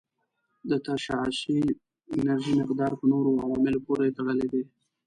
د تشعشعي انرژي مقدار په نورو عواملو پورې تړلی دی.